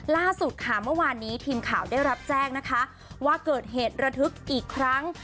ล่าสุดค่ะเมื่อวานนี้ทีมข่าวได้รับแจ้งนะคะว่าเกิดเหตุระทึกอีกครั้ง